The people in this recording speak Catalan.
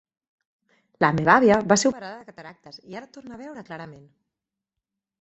La meva avia va ser operada de cataractes i ara torna a veure clarament.